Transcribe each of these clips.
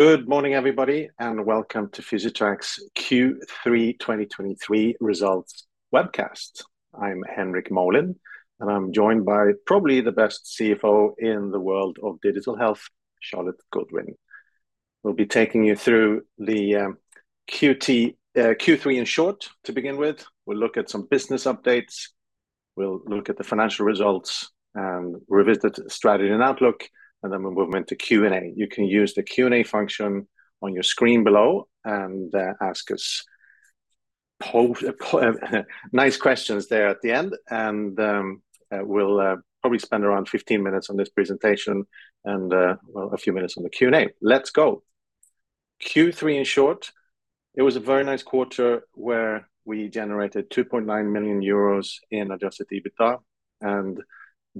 Good morning, everybody, and welcome to Physitrack's Q3 2023 results webcast. I'm Henrik Molin, and I'm joined by probably the best CFO in the world of digital health, Charlotte Goodwin. We'll be taking you through the Q3 in short to begin with. We'll look at some business updates. We'll look at the financial results and revisit strategy and outlook, and then we'll move into Q&A. You can use the Q&A function on your screen below, and ask us nice questions there at the end. We'll probably spend around 15 minutes on this presentation and well, a few minutes on the Q&A. Let's go. Q3, in short, it was a very nice quarter where we generated 2.9 million euros in Adjusted EBITDA, and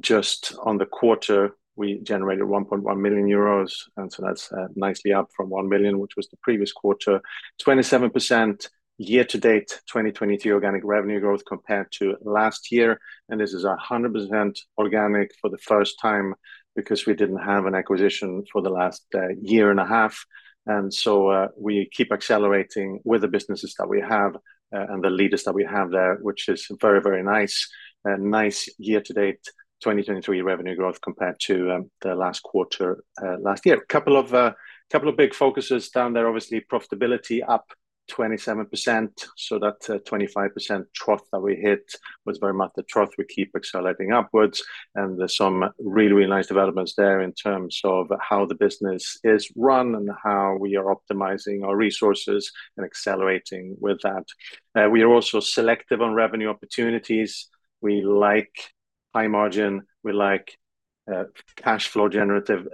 just on the quarter, we generated 1.1 million euros, and so that's, nicely up from 1 million, which was the previous quarter. 27% year-to-date 2023 organic revenue growth compared to last year, and this is 100% organic for the first time because we didn't have an acquisition for the last, year and a half. And so, we keep accelerating with the businesses that we have, and the leaders that we have there, which is very, very nice. A nice year-to-date 2023 revenue growth compared to, the last quarter, last year. A couple of, couple of big focuses down there, obviously profitability up 27%, so that, 25% trough that we hit was very much the trough. We keep accelerating upwards, and there's some really, really nice developments there in terms of how the business is run and how we are optimizing our resources and accelerating with that. We are also selective on revenue opportunities. We like high margin. We like cash flow generative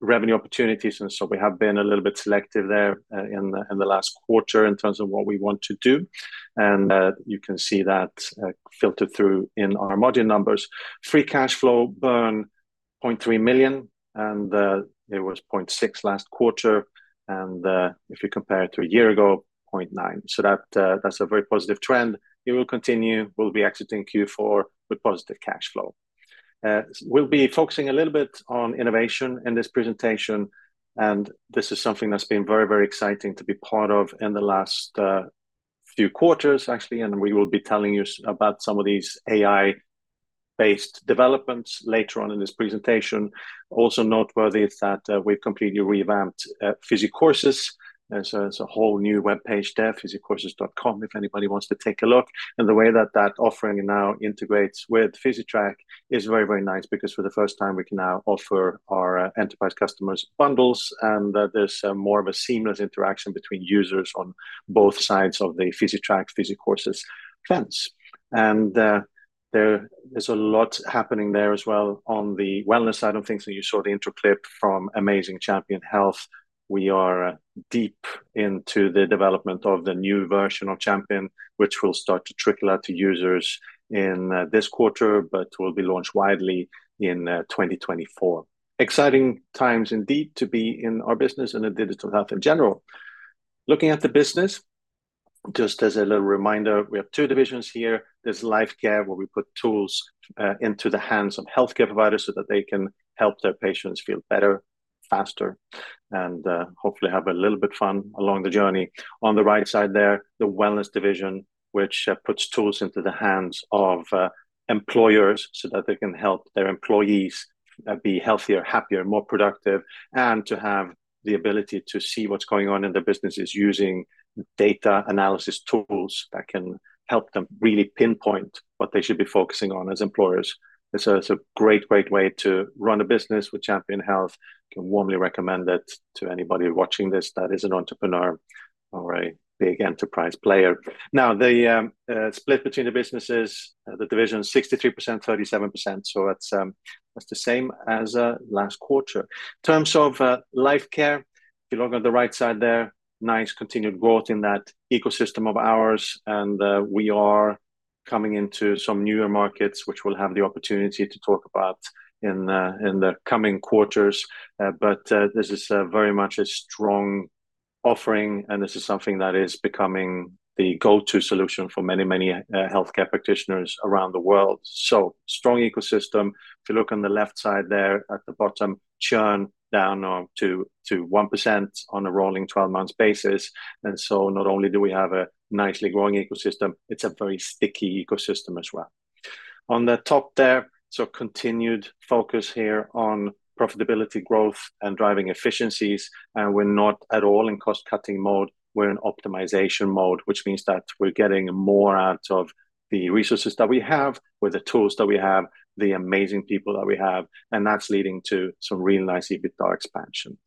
revenue opportunities, and so we have been a little bit selective there in the last quarter in terms of what we want to do, and you can see that filtered through in our margin numbers. Free cash flow burn, 0.3 million, and it was 0.6 million last quarter, and if you compare it to a year ago, 0.9 million. So that's a very positive trend. It will continue. We'll be exiting Q4 with positive cash flow. We'll be focusing a little bit on innovation in this presentation, and this is something that's been very, very exciting to be part of in the last few quarters, actually, and we will be telling you about some of these AI-based developments later on in this presentation. Also noteworthy is that we've completely revamped Physicourses, and so it's a whole new web page there, Physicourses.com, if anybody wants to take a look. And the way that that offering now integrates with Physitrack is very, very nice because for the first time, we can now offer our enterprise customers bundles, and there's more of a seamless interaction between users on both sides of the Physitrack, Physicourses fence. And there is a lot happening there as well on the Wellness side of things, and you saw the intro clip from amazing Champion Health. We are deep into the development of the new version of Champion, which will start to trickle out to users in this quarter, but will be launched widely in 2024. Exciting times indeed to be in our business and in digital health in general. Looking at the business, just as a little reminder, we have two divisions here. There's Lifecare, where we put tools into the hands of healthcare providers so that they can help their patients feel better, faster, and hopefully have a little bit fun along the journey. On the right side there, the Wellness division, which puts tools into the hands of employers so that they can help their employees be healthier, happier, more productive, and to have the ability to see what's going on in their businesses using data analysis tools that can help them really pinpoint what they should be focusing on as employers. It's a great, great way to run a business with Champion Health. Can warmly recommend it to anybody watching this that is an entrepreneur or a big enterprise player. Now, the split between the businesses, the division is 63%, 37%, so that's that's the same as last quarter. In terms of Lifecare, if you look on the right side there, nice continued growth in that ecosystem of ours, and we are coming into some newer markets, which we'll have the opportunity to talk about in the coming quarters. But this is very much a strong offering, and this is something that is becoming the go-to solution for many, many healthcare practitioners around the world. So strong ecosystem. If you look on the left side there, at the bottom, churn down now to 1% on a rolling 12 months basis, and so not only do we have a nicely growing ecosystem, it's a very sticky ecosystem as well. On the top there, so continued focus here on profitability growth and driving efficiencies, and we're not at all in cost-cutting mode. We're in optimization mode, which means that we're getting more out of the resources that we have, with the tools that we have, the amazing people that we have, and that's leading to some really nice EBITDA expansion.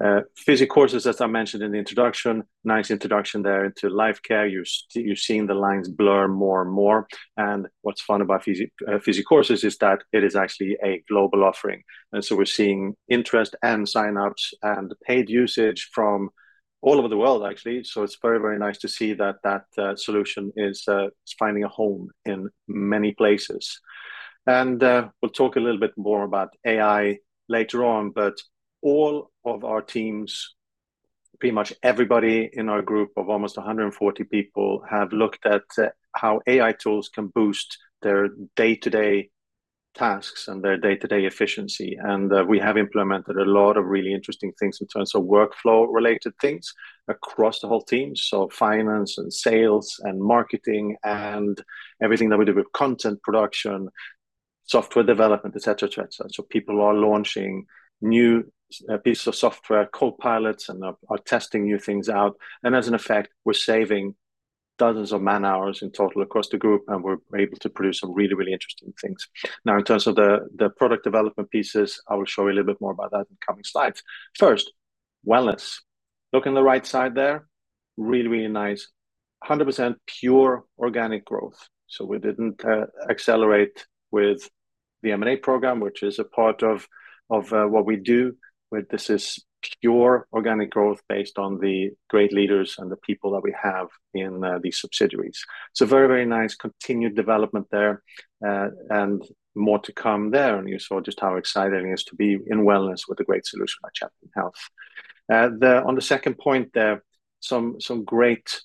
Physicourses, as I mentioned in the introduction, nice introduction there into Lifecare. You're seeing the lines blur more and more, and what's fun about Physicourses is that it is actually a global offering. And so we're seeing interest and sign-ups and paid usage from all over the world, actually. So it's very, very nice to see that solution is finding a home in many places. And we'll talk a little bit more about AI later on, but all of our teams-... Pretty much everybody in our group of almost 140 people have looked at how AI tools can boost their day-to-day tasks and their day-to-day efficiency. And we have implemented a lot of really interesting things in terms of workflow-related things across the whole team, so finance and sales and marketing, and everything that we do with content production, software development, et cetera, et cetera. So people are launching new pieces of software, co-pilots, and are testing new things out. And as an effect, we're saving dozens of man-hours in total across the group, and we're able to produce some really, really interesting things. Now, in terms of the product development pieces, I will show you a little bit more about that in coming slides. First, Wellness. Look on the right side there, really, really nice, 100% pure organic growth. So we didn't accelerate with the M&A program, which is a part of, of what we do. But this is pure organic growth based on the great leaders and the people that we have in these subsidiaries. So very, very nice continued development there, and more to come there, and you saw just how exciting it is to be in Wellness with a great solution like Champion Health. On the second point, there are some great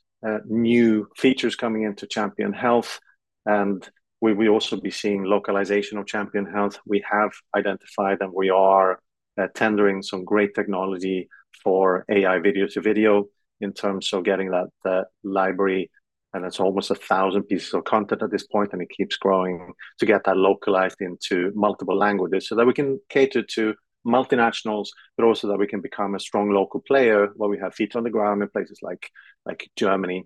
new features coming into Champion Health, and we will also be seeing localization of Champion Health. We have identified, and we are tendering some great technology for AI video-to-video in terms of getting that, the library, and it's almost 1,000 pieces of content at this point, and it keeps growing, to get that localized into multiple languages so that we can cater to multinationals, but also that we can become a strong local player, where we have feet on the ground in places like Germany.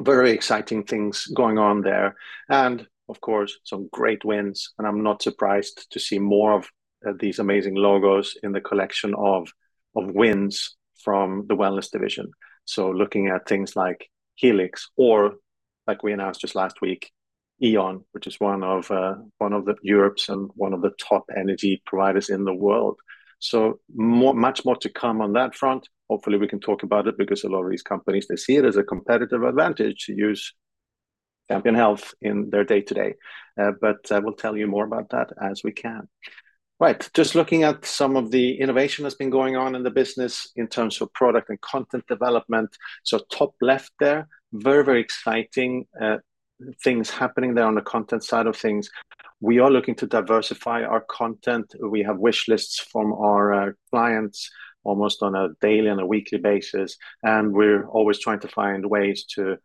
Very exciting things going on there. And of course, some great wins, and I'm not surprised to see more of these amazing logos in the collection of wins from the Wellness division. So looking at things like Healix or like we announced just last week, E.ON, which is one of one of the Europe's and one of the top energy providers in the world. So much more to come on that front. Hopefully, we can talk about it because a lot of these companies, they see it as a competitive advantage to use Champion Health in their day-to-day. But I will tell you more about that as we can. Right, just looking at some of the innovation that's been going on in the business in terms of product and content development. So top left there, very, very exciting things happening there on the content side of things. We are looking to diversify our content. We have wish lists from our clients, almost on a daily and a weekly basis, and we're always trying to find ways to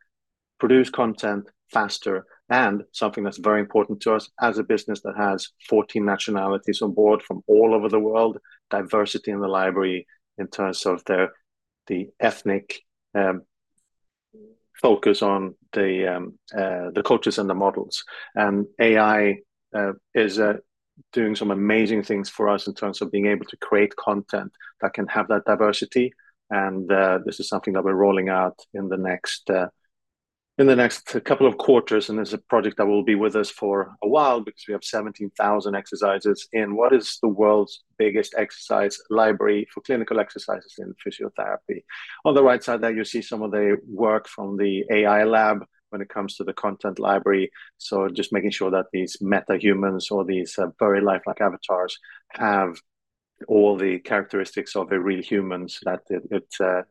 produce content faster. And something that's very important to us as a business that has 14 nationalities on board from all over the world, diversity in the library in terms of the ethnic focus on the coaches and the models. And AI is doing some amazing things for us in terms of being able to create content that can have that diversity, and this is something that we're rolling out in the next couple of quarters, and it's a project that will be with us for a while because we have 17,000 exercises in what is the world's biggest exercise library for clinical exercises in physiotherapy. On the right side there, you see some of the work from the AI lab when it comes to the content library, so just making sure that these MetaHumans or these, very lifelike avatars have all the characteristics of a real human, so that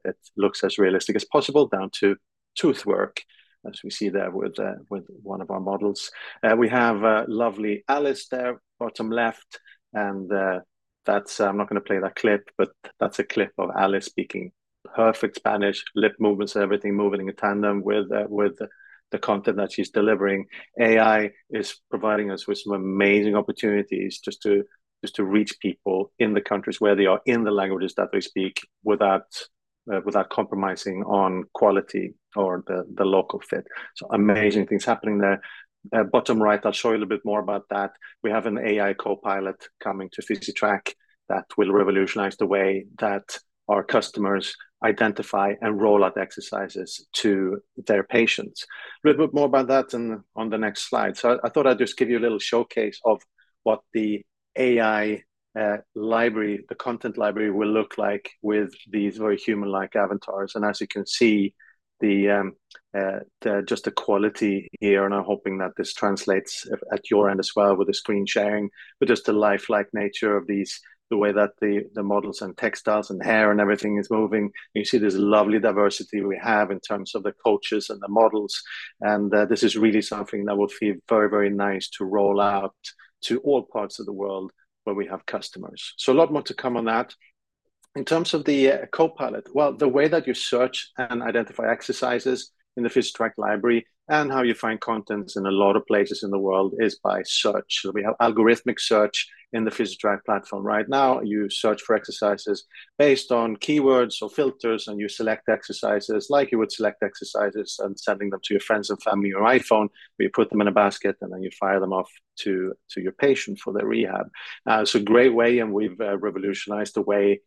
it looks as realistic as possible, down to tooth work, as we see there with one of our models. We have lovely Alice there, bottom left, and that's- I'm not gonna play that clip, but that's a clip of Alice speaking perfect Spanish, lip movements, everything moving in tandem with the content that she's delivering. AI is providing us with some amazing opportunities just to, just to reach people in the countries where they are, in the languages that they speak, without compromising on quality or the local fit. So amazing things happening there. Bottom right, I'll show you a little bit more about that. We have an AI copilot coming to Physitrack that will revolutionize the way that our customers identify and roll out exercises to their patients. A little bit more about that on the next slide. So I thought I'd just give you a little showcase of what the AI library, the content library will look like with these very human-like avatars. And as you can see, the quality here, and I'm hoping that this translates at your end as well with the screen sharing, but just the lifelike nature of these, the way that the models and textiles and hair and everything is moving. You can see there's a lovely diversity we have in terms of the coaches and the models, and this is really something that will feel very, very nice to roll out to all parts of the world where we have customers. So a lot more to come on that. In terms of the Copilot, well, the way that you search and identify exercises in the Physitrack library and how you find content in a lot of places in the world is by search. We have algorithmic search in the Physitrack platform. Right now, you search for exercises based on keywords or filters, and you select exercises like you would select exercises and sending them to your friends and family on your iPhone, where you put them in a basket, and then you fire them off to your patient for their rehab. It's a great way, and we've revolutionized the way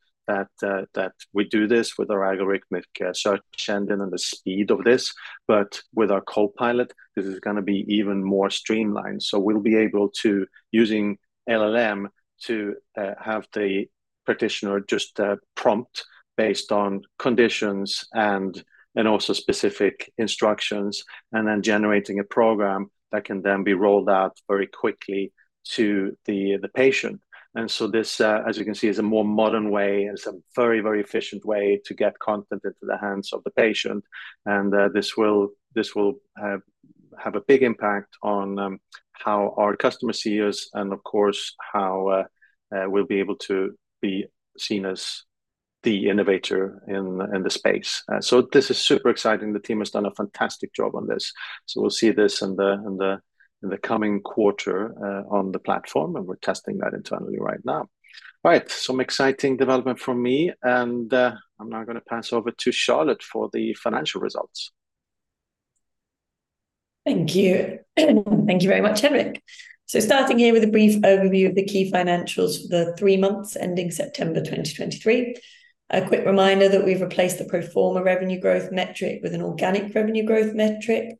that that we do this with our algorithmic search engine and the speed of this. But with our Copilot, this is gonna be even more streamlined. So we'll be able to, using LLM, to have the practitioner just prompt based on conditions and also specific instructions, and then generating a program that can then be rolled out very quickly to the patient. And so this, as you can see, is a more modern way and some very, very efficient way to get content into the hands of the patient, and this will, this will have a big impact on how our customers see us, and of course, how we'll be able to be seen as the innovator in the space. So this is super exciting. The team has done a fantastic job on this. So we'll see this in the coming quarter on the platform, and we're testing that internally right now. All right, some exciting development from me, and I'm now gonna pass over to Charlotte for the financial results. Thank you. Thank you very much, Henrik. So starting here with a brief overview of the key financials for the three months ending September 2023. A quick reminder that we've replaced the pro forma revenue growth metric with an organic revenue growth metric.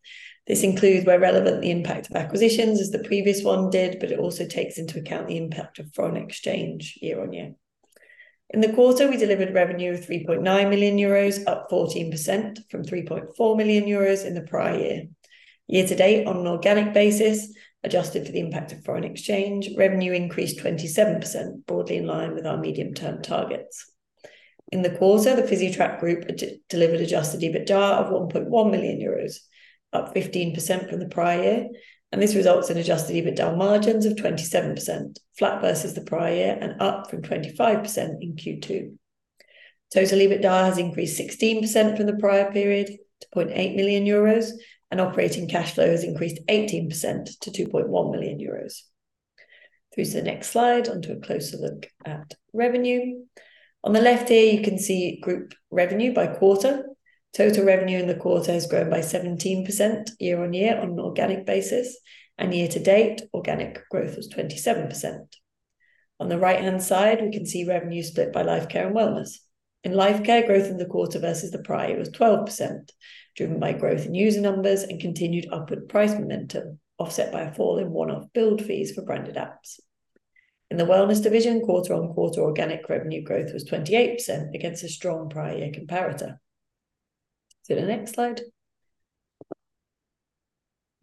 This includes, where relevant, the impact of acquisitions, as the previous one did, but it also takes into account the impact of foreign exchange year-on-year. In the quarter, we delivered revenue of 3.9 million euros, up 14% from 3.4 million euros in the prior year. Year-to-date, on an organic basis, adjusted for the impact of foreign exchange, revenue increased 27%, broadly in line with our medium-term targets. In the quarter, the Physitrack Group delivered Adjusted EBITDA of 1.1 million euros, up 15% from the prior year, and this results in Adjusted EBITDA margins of 27%, flat versus the prior year and up from 25% in Q2. Total EBITDA has increased 16% from the prior period to 0.8 million euros, and operating cash flow has increased 18% to 2.1 million euros. Through to the next slide, onto a closer look at revenue. On the left here, you can see group revenue by quarter. Total revenue in the quarter has grown by 17% year-on-year on an organic basis, and year-to-date, organic growth was 27%. On the right-hand side, we can see revenue split by Lifecare and Wellness. In Lifecare, growth in the quarter versus the prior was 12%, driven by growth in user numbers and continued upward price momentum, offset by a fall in one-off build fees for branded apps. In the Wellness division, quarter-on-quarter organic revenue growth was 28% against a strong prior year comparator. So the next slide.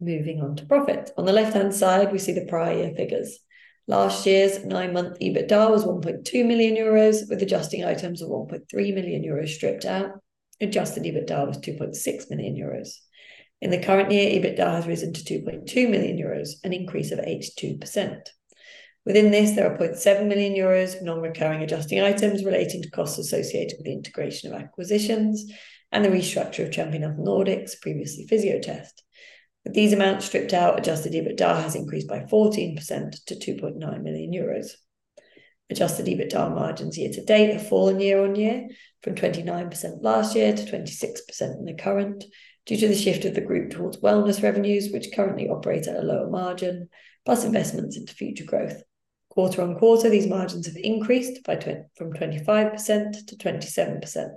Moving on to profit. On the left-hand side, we see the prior year figures. Last year's 9-month EBITDA was 1.2 million euros, with adjusting items of 1.3 million euros stripped out. Adjusted EBITDA was 2.6 million euros. In the current year, EBITDA has risen to 2.2 million euros, an increase of 82%. Within this, there are 0.7 million euros of non-recurring adjusting items relating to costs associated with the integration of acquisitions and the restructure of Champion Health Nordic, previously Fysiotest. With these amounts stripped out, adjusted EBITDA has increased by 14% to 2.9 million euros. Adjusted EBITDA margins year-to-date have fallen year-on-year from 29% last year to 26% in the current, due to the shift of the group towards Wellness revenues, which currently operate at a lower margin, plus investments into future growth. Quarter-on-quarter, these margins have increased by from 25% to 27%,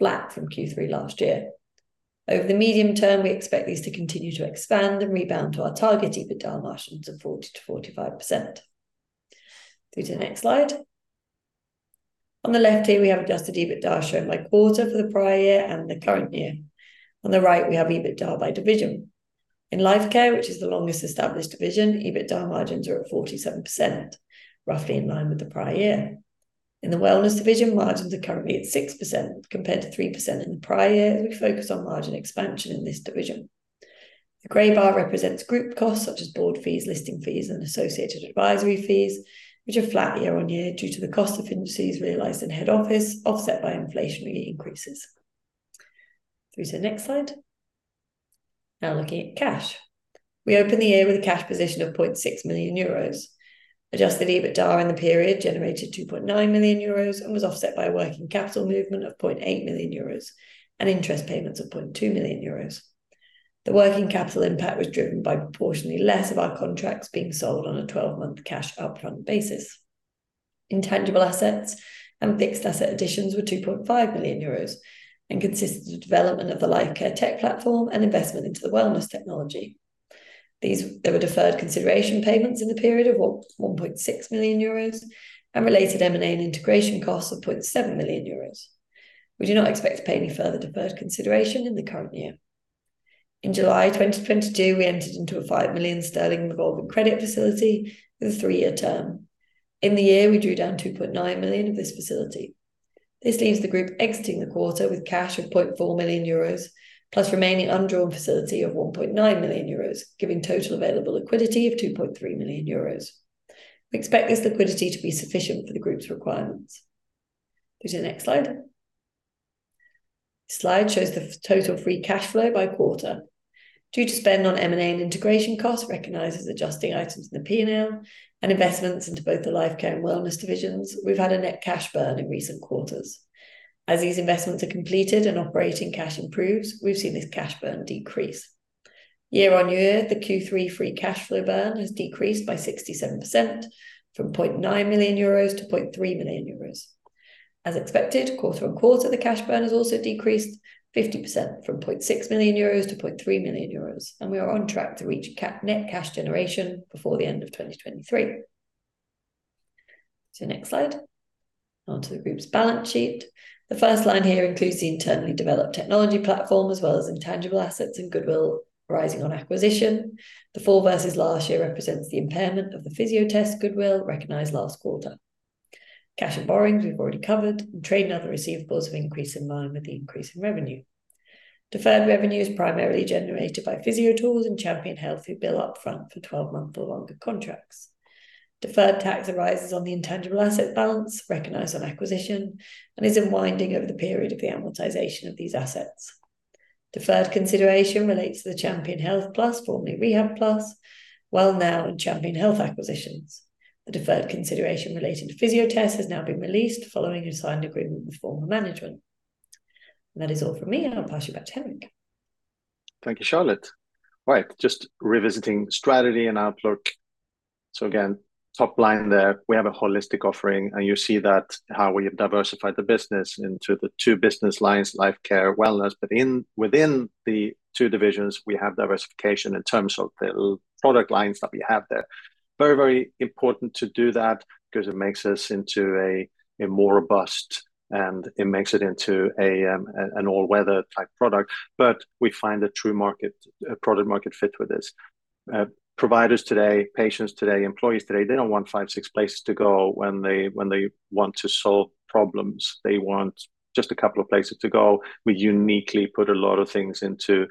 flat from Q3 last year. Over the medium term, we expect these to continue to expand and rebound to our target EBITDA margins of 40%-45%. Through to the next slide. On the left here, we have adjusted EBITDA shown by quarter for the prior year and the current year. On the right, we have EBITDA by division. In Lifecare, which is the longest established division, EBITDA margins are at 47%, roughly in line with the prior year. In the Wellness division, margins are currently at 6%, compared to 3% in the prior year, as we focus on margin expansion in this division. The gray bar represents group costs such as board fees, listing fees, and associated advisory fees, which are flat year-on-year due to the cost efficiencies realized in head office, offset by inflationary increases. Through to the next slide. Now, looking at cash. We opened the year with a cash position of 0.6 million euros. Adjusted EBITDA in the period generated 2.9 million euros and was offset by a working capital movement of 0.8 million euros and interest payments of 0.2 million euros. The working capital impact was driven by proportionally less of our contracts being sold on a twelve-month cash upfront basis. Intangible assets and fixed asset additions were 2.5 million euros and consisted of development of the Lifecare tech platform and investment into the Wellness technology. There were deferred consideration payments in the period of one point six million euros and related M&A and integration costs of point seven million euros. We do not expect to pay any further deferred consideration in the current year. In July 2022, we entered into a 5 million sterling revolving credit facility with a three-year term. In the year, we drew down two point nine million of this facility. This leaves the group exiting the quarter with cash of 0.4 million euros, plus remaining undrawn facility of 1.9 million euros, giving total available liquidity of 2.3 million euros. We expect this liquidity to be sufficient for the group's requirements. Through to the next slide. This slide shows the total free cash flow by quarter. Due to spend on M&A and integration costs, recognized as adjusting items in the P&L, and investments into both the Lifecare and Wellness divisions, we've had a net cash burn in recent quarters. As these investments are completed and operating cash improves, we've seen this cash burn decrease. Year-on-year, the Q3 free cash flow burn has decreased by 67% from 0.9 million euros to 0.3 million euros. As expected, quarter-on-quarter, the cash burn has also decreased 50% from 0.6 million euros to 0.3 million euros, and we are on track to reach net cash generation before the end of 2023. To the next slide. On to the group's balance sheet. The first line here includes the internally developed technology platform, as well as intangible assets and goodwill arising on acquisition. The fall versus last year represents the impairment of the Fysiotest goodwill recognized last quarter. Cash and borrowings, we've already covered, and trade and other receivables have increased in line with the increase in revenue. Deferred revenue is primarily generated by Physiotools and Champion Health, who bill upfront for 12-month or longer contracts. Deferred tax arises on the intangible asset balance, recognized on acquisition, and is unwinding over the period of the amortization of these assets. Deferred consideration relates to the Champion Health Plus, formerly RehabPlus, Wellnow, and Champion Health acquisitions. The deferred consideration related to Fysiotest has now been released following a signed agreement with former management. That is all from me, and I'll pass you back to Henrik. Thank you, Charlotte. Right, just revisiting strategy and outlook. So again, top line there, we have a holistic offering, and you see that how we have diversified the business into the two business lines, Lifecare, Wellness. But within the two divisions, we have diversification in terms of the product lines that we have there. Very, very important to do that because it makes us into a more robust, and it makes it into an all-weather type product, but we find a true market, a product-market fit with this. Providers today, patients today, employees today, they don't want five, six places to go when they want to solve problems. They want just a couple of places to go. We uniquely put a lot of things into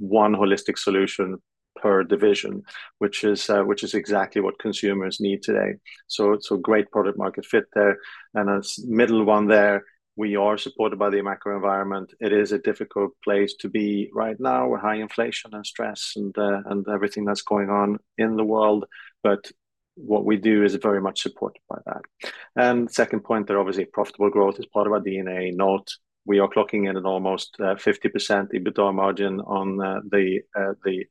one holistic solution per division, which is exactly what consumers need today. So, so great product market fit there. As middle one there, we are supported by the macro environment. It is a difficult place to be right now, with high inflation and stress and and everything that's going on in the world, but what we do is very much supported by that. Second point, they're obviously profitable growth is part of our DNA. Note, we are clocking in an almost 50% EBITDA margin on the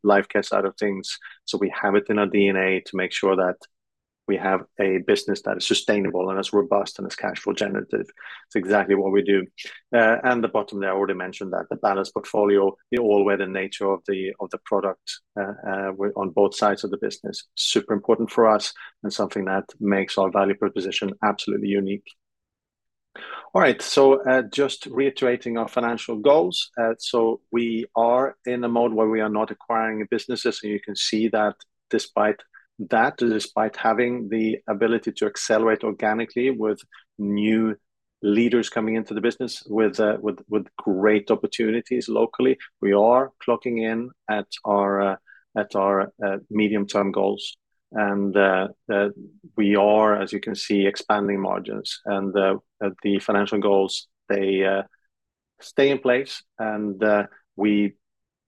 Lifecare side of things. So we have it in our DNA to make sure that we have a business that is sustainable and is robust and is cash flow generative. It's exactly what we do. And the bottom there, I already mentioned that the balanced portfolio, the all-weather nature of the, of the product, on both sides of the business, super important for us and something that makes our value proposition absolutely unique. All right, so, just reiterating our financial goals. So we are in a mode where we are not acquiring businesses, and you can see that despite that, despite having the ability to accelerate organically with new leaders coming into the business, with great opportunities locally, we are clocking in at our medium-term goals. And we are, as you can see, expanding margins. The financial goals they stay in place, and we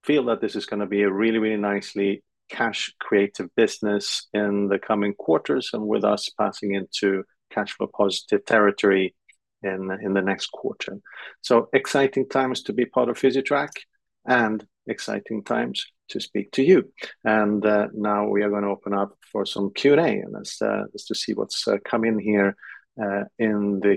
feel that this is gonna be a really, really nicely cash creative business in the coming quarters, and with us passing into cash flow positive territory in the next quarter. So exciting times to be part of Physitrack, and exciting times to speak to you. Now we are gonna open up for some Q&A, and let's just see what's come in here in the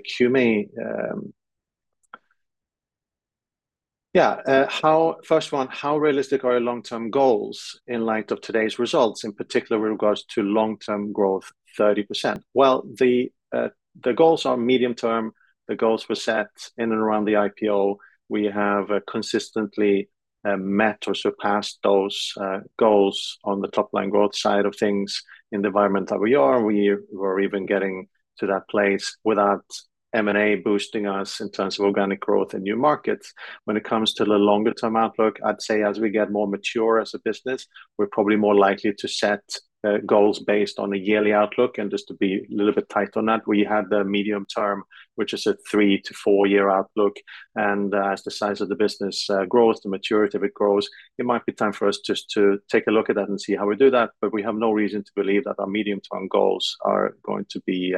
Q&A. First one, how realistic are our long-term goals in light of today's results, in particular with regards to long-term growth, 30%? Well, the goals are medium-term. The goals were set in and around the IPO. We have consistently met or surpassed those goals on the top-line growth side of things. In the environment that we are, we were even getting to that place without M&A boosting us in terms of organic growth in new markets. When it comes to the longer-term outlook, I'd say as we get more mature as a business, we're probably more likely to set goals based on a yearly outlook. And just to be a little bit tight on that, we had the medium term, which is a 3- to 4-year outlook. And as the size of the business grows, the maturity of it grows, it might be time for us just to take a look at that and see how we do that, but we have no reason to believe that our medium-term goals are going to be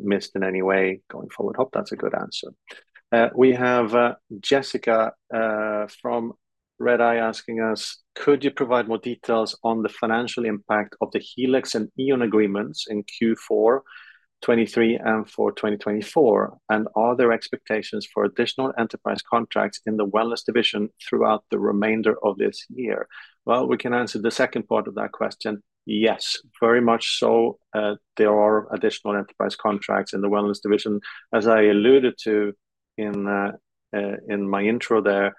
missed in any way going forward. Hope that's a good answer. We have Jesper from Redeye asking us: Could you provide more details on the financial impact of the Healix and E.ON agreements in Q4 2023 and for 2024? And are there expectations for additional enterprise contracts in the Wellness division throughout the remainder of this year? Well, we can answer the second part of that question. Yes, very much so. There are additional enterprise contracts in the Wellness division. As I alluded to in my intro there,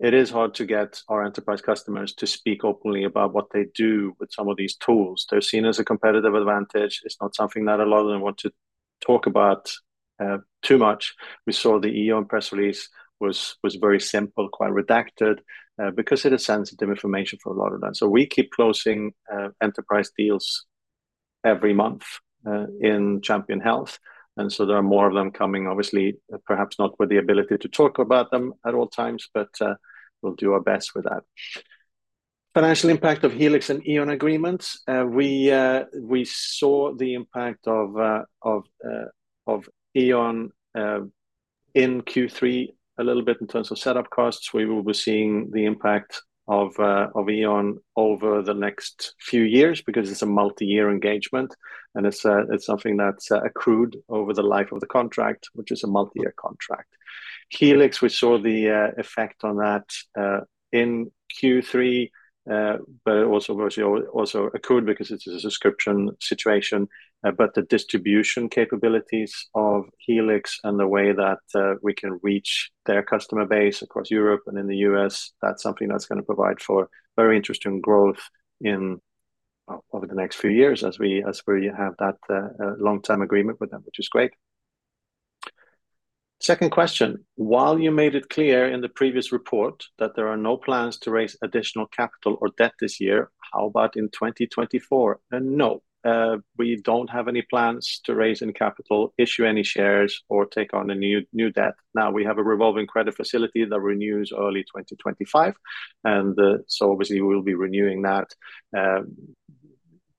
it is hard to get our enterprise customers to speak openly about what they do with some of these tools. They're seen as a competitive advantage. It's not something that a lot of them want to talk about too much. We saw the E.ON press release was very simple, quite redacted, because it is sensitive information for a lot of them. So we keep closing enterprise deals every month in Champion Health, and so there are more of them coming, obviously, perhaps not with the ability to talk about them at all times, but we'll do our best with that. Financial impact of Healix and E.ON agreements. We saw the impact of E.ON in Q3 a little bit in terms of setup costs. We will be seeing the impact of E.ON over the next few years because it's a multi-year engagement, and it's something that's accrued over the life of the contract, which is a multi-year contract. Healix, we saw the effect on that in Q3, but it also virtually also accrued because it's a subscription situation. But the distribution capabilities of Healix and the way that, we can reach their customer base across Europe and in the U.S., that's something that's gonna provide for very interesting growth in, over the next few years as we, as we have that, long-term agreement with them, which is great. Second question, while you made it clear in the previous report that there are no plans to raise additional capital or debt this year, how about in 2024? No, we don't have any plans to raise any capital, issue any shares, or take on a new, new debt. Now, we have a revolving credit facility that renews early 2025, and, so obviously we'll be renewing that.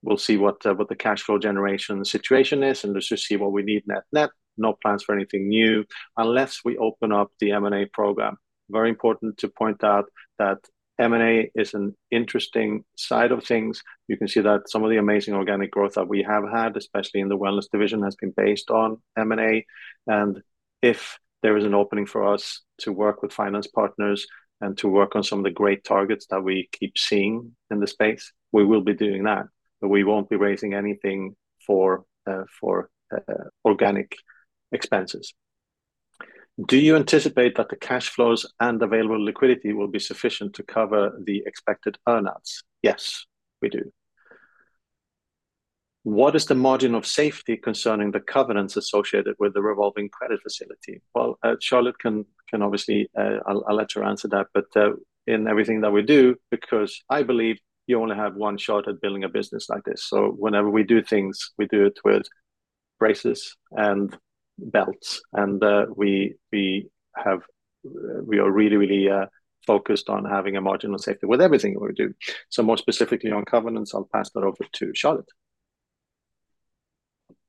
We'll see what, what the cash flow generation situation is, and let's just see what we need net-net. No plans for anything new, unless we open up the M&A program. Very important to point out that M&A is an interesting side of things. You can see that some of the amazing organic growth that we have had, especially in the Wellness division, has been based on M&A, and if there is an opening for us to work with finance partners and to work on some of the great targets that we keep seeing in the space, we will be doing that, but we won't be raising anything for organic expenses. Do you anticipate that the cash flows and available liquidity will be sufficient to cover the expected earn-outs? Yes, we do. What is the margin of safety concerning the covenants associated with the revolving credit facility? Well, Charlotte can obviously... I'll let her answer that, but in everything that we do, because I believe you only have one shot at building a business like this, so whenever we do things, we do it with braces and belts, and we are really, really focused on having a margin of safety with everything that we do. So more specifically on covenants, I'll pass that over to Charlotte.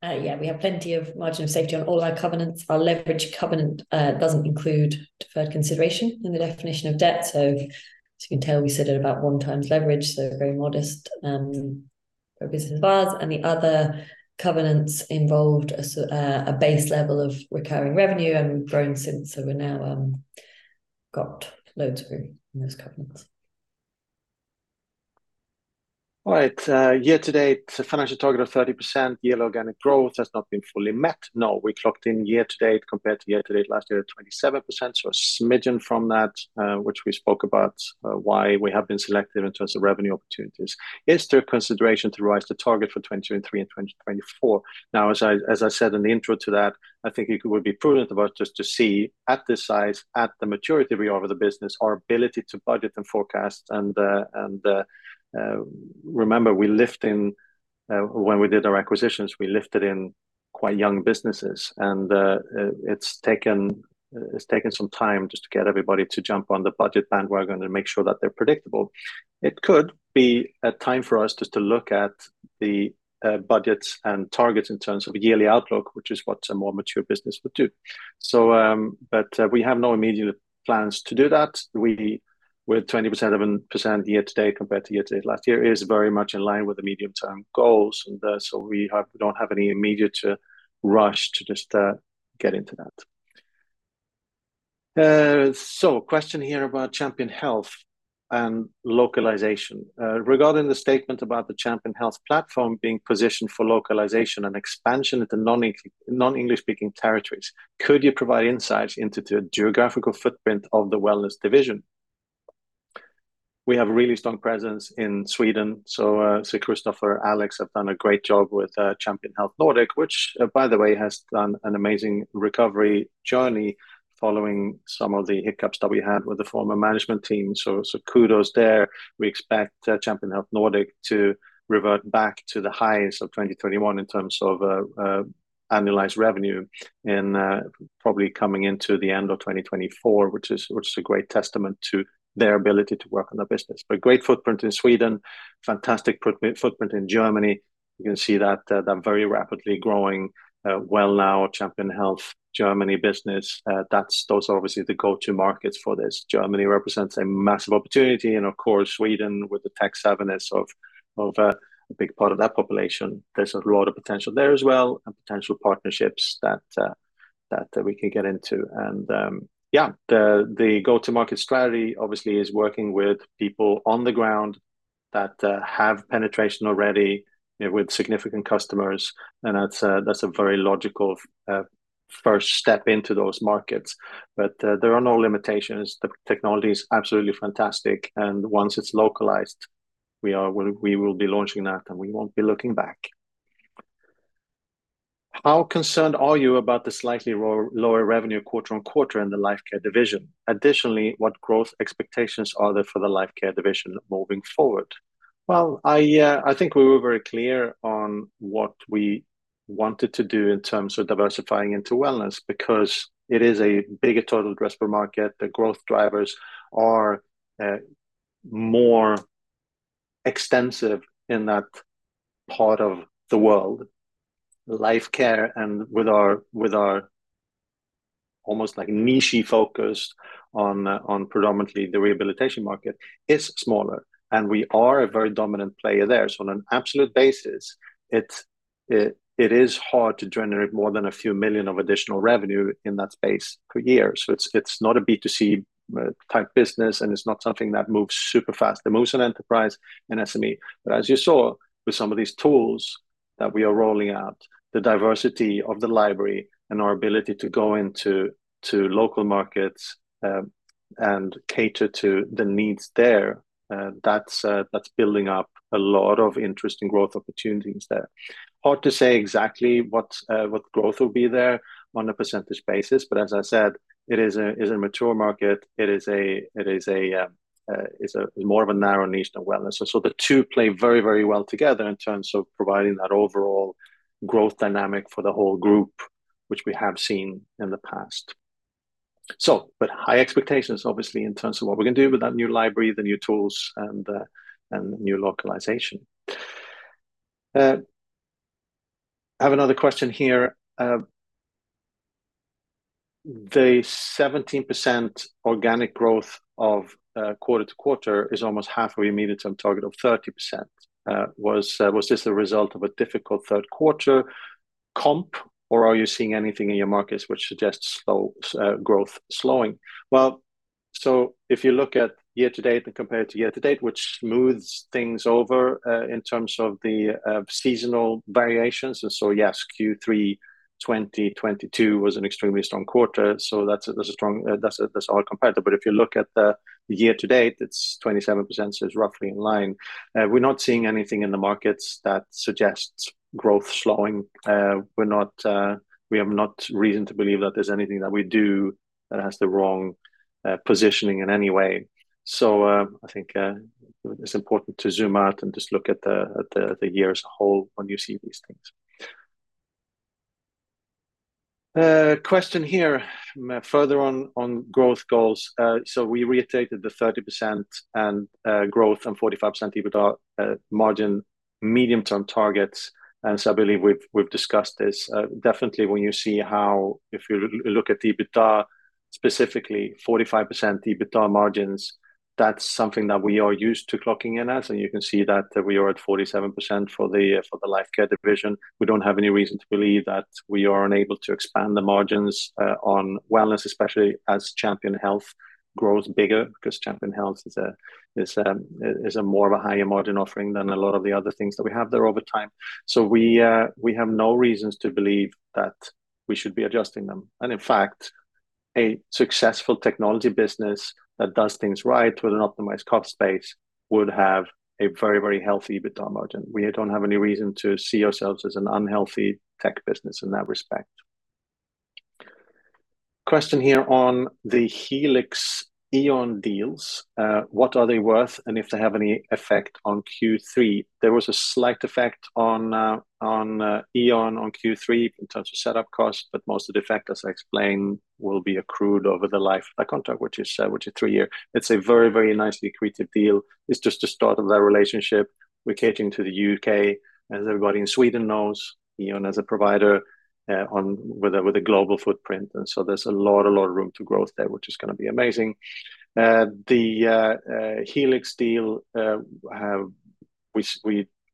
Yeah, we have plenty of margin of safety on all our covenants. Our leverage covenant doesn't include deferred consideration in the definition of debt. So as you can tell, we sit at about 1 times leverage, so very modest focus of ours. And the other covenants involved a base level of recurring revenue, and we've grown since, so we've now got loads of room in those covenants. All right, year-to-date, the financial target of 30% yearly organic growth has not been fully met. No, we clocked in year-to-date compared to year-to-date last year at 27%, so a smidgen from that, which we spoke about, why we have been selective in terms of revenue opportunities. Is there consideration to raise the target for 2023 and 2024? Now, as I said in the intro to that, I think it would be prudent about just to see at this size, at the maturity we are of the business, our ability to budget and forecast, and, remember, we lift in when we did our acquisitions, we lifted in quite young businesses. And, it's taken some time just to get everybody to jump on the budget bandwagon and make sure that they're predictable. It could be a time for us just to look at the budgets and targets in terms of a yearly outlook, which is what a more mature business would do. So, but, we have no immediate plans to do that. With 20%, 7% year-to-date compared to year-to-date last year is very much in line with the medium-term goals, and, so we don't have any immediate rush to just get into that. So question here about Champion Health and localization. Regarding the statement about the Champion Health platform being positioned for localization and expansion into non-English-speaking territories, could you provide insights into the geographical footprint of the Wellness division? We have a really strong presence in Sweden, so, so Christoffer, Alex have done a great job with, Champion Health Nordic, which, by the way, has done an amazing recovery journey following some of the hiccups that we had with the former management team, so, so kudos there. We expect, Champion Health Nordic to revert back to the highs of 2021 in terms of, annualized revenue and, probably coming into the end of 2024, which is, which is a great testament to their ability to work on their business. But great footprint in Sweden, fantastic footprint in Germany. You can see that, that very rapidly growing, Wellnow Champion Health Germany business, that's- those are obviously the go-to markets for this. Germany represents a massive opportunity, and of course, Sweden, with the tech savviness of a big part of that population, there's a lot of potential there as well, and potential partnerships that we can get into. And, yeah, the go-to-market strategy obviously is working with people on the ground that have penetration already with significant customers, and that's a very logical first step into those markets. But, there are no limitations. The technology is absolutely fantastic, and once it's localized, we will be launching that, and we won't be looking back. How concerned are you about the slightly lower revenue quarter-over-quarter in the Lifecare division? Additionally, what growth expectations are there for the Lifecare division moving forward? Well, I, I think we were very clear on what we wanted to do in terms of diversifying into Wellness, because it is a bigger total addressable market. The growth drivers are more extensive in that part of the world. Lifecare, and with our, with our almost like niche-y focus on predominantly the rehabilitation market, is smaller, and we are a very dominant player there. So on an absolute basis, it is hard to generate more than a few million EUR of additional revenue in that space per year. So it's not a B2C type business, and it's not something that moves super fast. It moves on enterprise and SME. But as you saw with some of these tools that we are rolling out, the diversity of the library and our ability to go into to local markets. and cater to the needs there, that's, that's building up a lot of interesting growth opportunities there. Hard to say exactly what, what growth will be there on a percentage basis, but as I said, it is a, it is a, it is a, it's a more of a narrow niche than Wellness. So the two play very, very well together in terms of providing that overall growth dynamic for the whole group, which we have seen in the past. But high expectations, obviously, in terms of what we're gonna do with that new library, the new tools, and the, and the new localization. I have another question here. "The 17% organic growth quarter-to-quarter is almost half of your medium-term target of 30%. Was this the result of a difficult third quarter comp, or are you seeing anything in your markets which suggests slow- growth slowing?" Well, so if you look at year to date and compared to year to date, which smooths things over, in terms of the, seasonal variations, and so yes, Q3 2022 was an extremely strong quarter, so that's a, that's a strong- that's a, that's a hard competitor. But if you look at the year to date, it's 27%, so it's roughly in line. We're not seeing anything in the markets that suggests growth slowing. We're not- we have not reason to believe that there's anything that we do that has the wrong, positioning in any way. I think it's important to zoom out and just look at the year as a whole when you see these things. Question here, further on growth goals. So we reiterated the 30% and growth and 45% EBITDA margin medium-term targets, and so I believe we've discussed this. Definitely when you see how... If you look at the EBITDA, specifically 45% EBITDA margins, that's something that we are used to clocking in as, and you can see that we are at 47% for the Lifecare division. We don't have any reason to believe that we are unable to expand the margins on Wellness, especially as Champion Health grows bigger, because Champion Health is a more of a higher margin offering than a lot of the other things that we have there over time. So we have no reasons to believe that we should be adjusting them. In fact, a successful technology business that does things right with an optimized cost base would have a very, very healthy EBITDA margin. We don't have any reason to see ourselves as an unhealthy tech business in that respect. Question here on the Healix E.ON deals. What are they worth, and if they have any effect on Q3?" There was a slight effect on E.ON on Q3 in terms of setup costs, but most of the effect, as I explained, will be accrued over the life of the contract, which is 3 year. It's a very, very nicely created deal. It's just the start of that relationship. We're catering to the UK. As everybody in Sweden knows, E.ON as a provider with a global footprint, and so there's a lot, a lot of room to growth there, which is gonna be amazing. The Healix deal,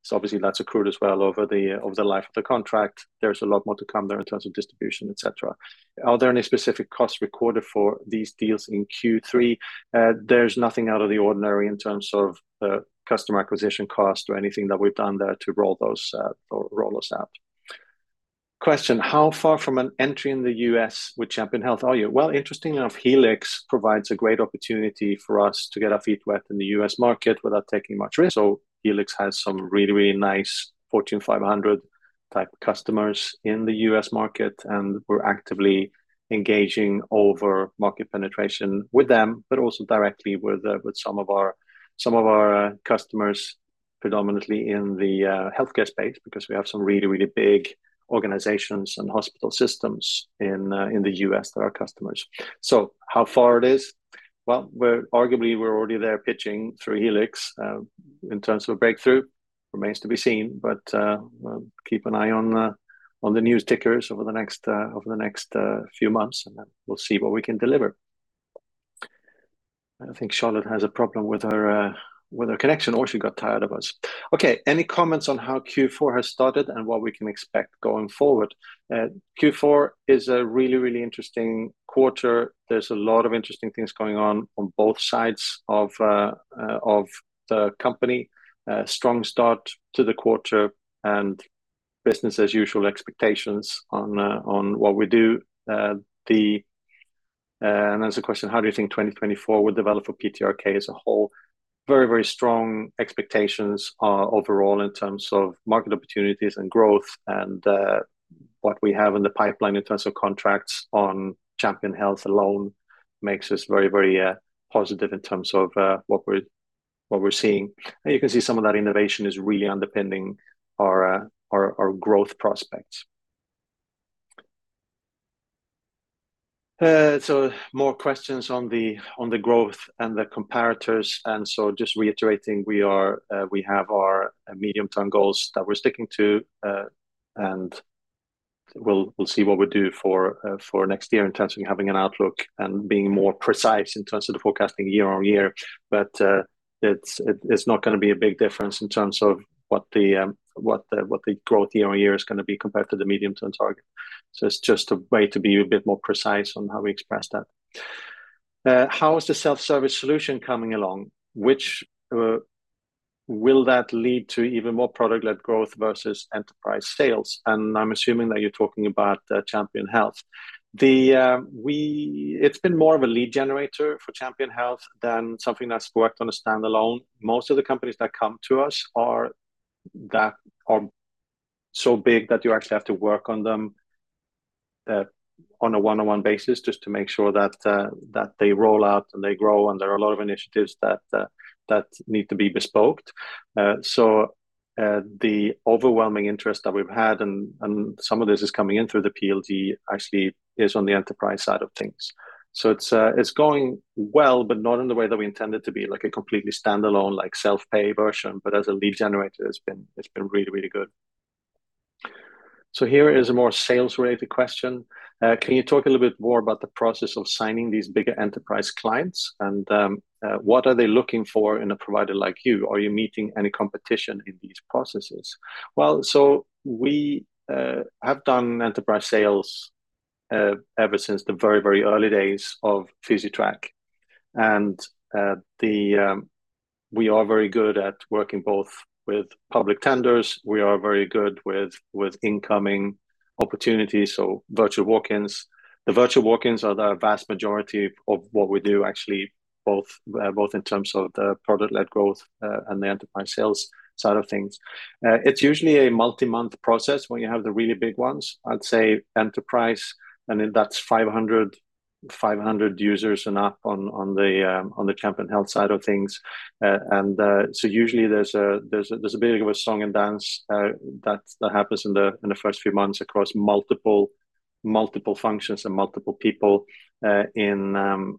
so obviously, that's accrued as well over the life of the contract. There's a lot more to come there in terms of distribution, et cetera. Are there any specific costs recorded for these deals in Q3?" There's nothing out of the ordinary in terms of customer acquisition cost or anything that we've done there to roll those out or roll those out. Question: "How far from an entry in the U.S. with Champion Health are you?" Well, interestingly enough, Healix provides a great opportunity for us to get our feet wet in the U.S. market without taking much risk. So Healix has some really, really nice Fortune 500 type customers in the U.S. market, and we're actively engaging over market penetration with them, but also directly with some of our customers, predominantly in the healthcare space, because we have some really, really big organizations and hospital systems in the U.S. that are our customers. So how far it is? Well, we're arguably, we're already there pitching through Healix. In terms of a breakthrough, remains to be seen, but, we'll keep an eye on the news tickers over the next few months, and then we'll see what we can deliver. I think Charlotte has a problem with her connection, or she got tired of us. Okay, "Any comments on how Q4 has started and what we can expect going forward?" Q4 is a really, really interesting quarter. There's a lot of interesting things going on on both sides of the company. Strong start to the quarter, and business as usual expectations on what we do. And there's a question: "How do you think 2024 will develop for PTRK as a whole?" Very, very strong expectations overall in terms of market opportunities and growth, and what we have in the pipeline in terms of contracts on Champion Health alone makes us very, very positive in terms of what we're seeing. And you can see some of that innovation is really underpinning our growth prospects. So more questions on the growth and the comparators, and so just reiterating, we have our medium-term goals that we're sticking to, and we'll see what we do for next year in terms of having an outlook and being more precise in terms of the forecasting year-on-year. But, it's not gonna be a big difference in terms of what the growth year on year is gonna be compared to the medium-term target. So it's just a way to be a bit more precise on how we express that. "How is the self-service solution coming along? Which will that lead to even more product-led growth versus enterprise sales? And I'm assuming that you're talking about Champion Health. It's been more of a lead generator for Champion Health than something that's worked on a standalone. Most of the companies that come to us are that are so big that you actually have to work on them, on a one-on-one basis just to make sure that, that they roll out and they grow, and there are a lot of initiatives that, that need to be bespoke. So, the overwhelming interest that we've had, and, and some of this is coming in through the PLG, actually is on the enterprise side of things. So it's, it's going well, but not in the way that we intend it to be, like a completely standalone, like, self-pay version. But as a lead generator, it's been, it's been really, really good. So here is a more sales-related question. Can you talk a little bit more about the process of signing these bigger enterprise clients, and, what are they looking for in a provider like you? Are you meeting any competition in these processes?" Well, so we have done enterprise sales ever since the very, very early days of Physitrack. And we are very good at working both with public tenders. We are very good with incoming opportunities, so virtual walk-ins. The virtual walk-ins are the vast majority of what we do, actually, both in terms of the product-led growth, and the enterprise sales side of things. It's usually a multi-month process when you have the really big ones. I'd say enterprise, and then that's 500 users and up on the Champion Health side of things. So usually there's a bit of a song and dance that happens in the first few months across multiple functions and multiple people in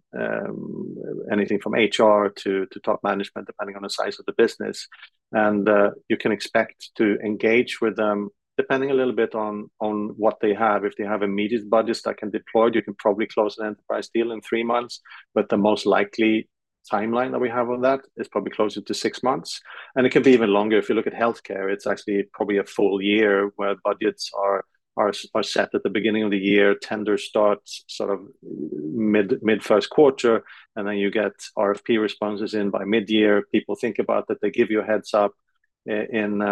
anything from HR to top management, depending on the size of the business. You can expect to engage with them, depending a little bit on what they have. If they have immediate budgets that can deploy, you can probably close an enterprise deal in three months, but the most likely timeline that we have on that is probably closer to six months, and it can be even longer. If you look at healthcare, it's actually probably a full year, where budgets are set at the beginning of the year. Tenders start sort of mid-first quarter, and then you get RFP responses in by mid-year. People think about that. They give you a heads-up in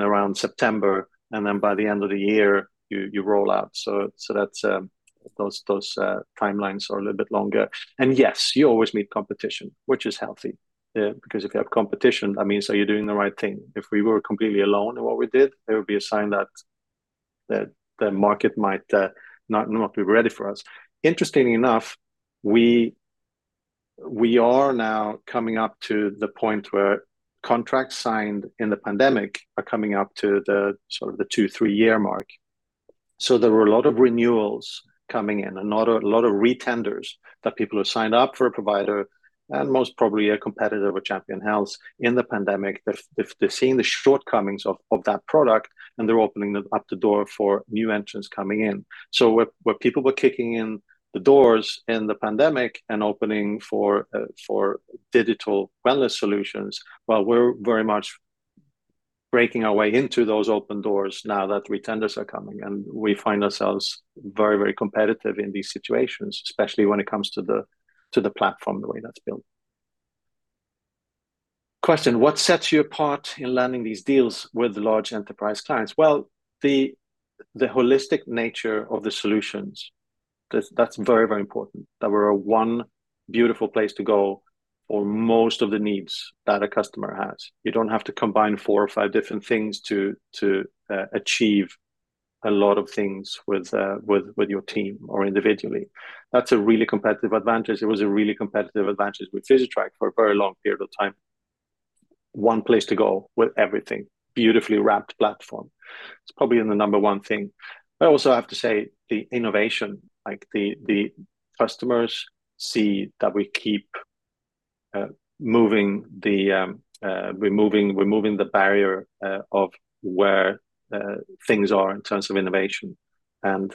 around September, and then by the end of the year, you roll out. So that's those timelines are a little bit longer. And yes, you always meet competition, which is healthy, because if you have competition, that means that you're doing the right thing. If we were completely alone in what we did, it would be a sign that the market might not be ready for us. Interestingly enough, we are now coming up to the point where contracts signed in the pandemic are coming up to the sort of the two, three-year mark. So there were a lot of renewals coming in, and a lot of re-tenders, that people who signed up for a provider, and most probably a competitor with Champion Health in the pandemic. They've seen the shortcomings of that product, and they're opening up the door for new entrants coming in. So where people were kicking in the doors in the pandemic and opening for digital Wellness solutions, well, we're very much breaking our way into those open doors now that re-tenders are coming, and we find ourselves very, very competitive in these situations, especially when it comes to the platform, the way that's built. Question: "What sets you apart in landing these deals with large enterprise clients?" Well, the holistic nature of the solutions, that's very, very important. That we're a one beautiful place to go for most of the needs that a customer has. You don't have to combine four or five different things to achieve a lot of things with your team or individually. That's a really competitive advantage. It was a really competitive advantage with Physitrack for a very long period of time. One place to go with everything, beautifully wrapped platform. It's probably the number one thing. I also have to say the innovation, like the customers see that we keep moving the barrier of where things are in terms of innovation. And,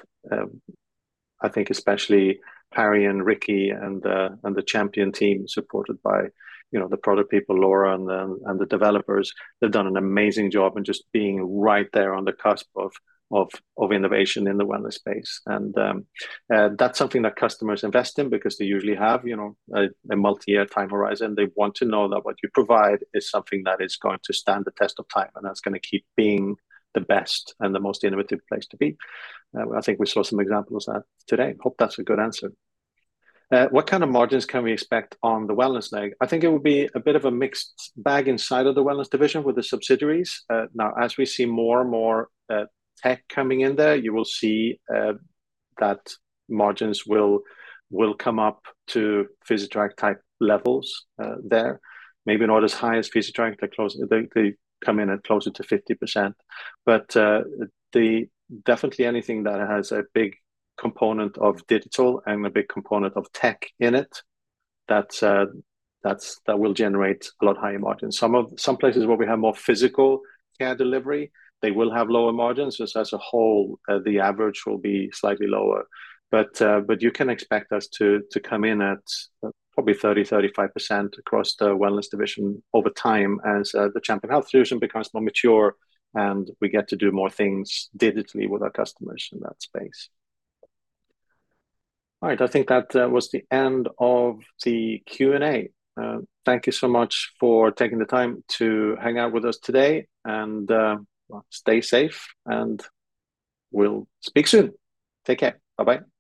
I think especially Harry and Ricky and, and the Champion team, supported by, you know, the product people, Laura and them, and the developers, they've done an amazing job in just being right there on the cusp of innovation in the Wellness space. And, that's something that customers invest in because they usually have, you know, a, a multi-year time horizon. They want to know that what you provide is something that is going to stand the test of time, and that's gonna keep being the best and the most innovative place to be. I think we saw some examples of that today. Hope that's a good answer. "What kind of margins can we expect on the Wellness leg?" I think it would be a bit of a mixed bag inside of the Wellness division with the subsidiaries. Now, as we see more and more tech coming in there, you will see that margins will come up to Physitrack-type levels there. Maybe not as high as Physitrack. They're close. They come in at closer to 50%. But definitely anything that has a big component of digital and a big component of tech in it, that will generate a lot higher margins. Some places where we have more physical care delivery, they will have lower margins. Just as a whole, the average will be slightly lower, but you can expect us to come in at probably 30%-35% across the Wellness division over time as the Champion Health solution becomes more mature, and we get to do more things digitally with our customers in that space. All right, I think that was the end of the Q&A. Thank you so much for taking the time to hang out with us today, and well, stay safe, and we'll speak soon. Take care. Bye-bye!